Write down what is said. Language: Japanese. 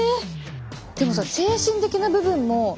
でもさ精神的な部分も。